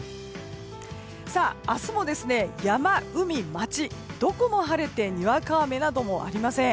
明日も山、海、街どこも晴れてにわか雨などもありません。